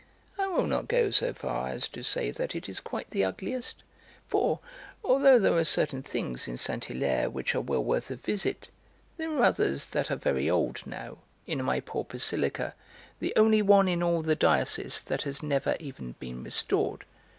"I will not go so far as to say that it is quite the ugliest, for, although there are certain things in Saint Hilaire which are well worth a visit, there are others that are very old now, in my poor basilica, the only one in all the diocese that has never even been restored.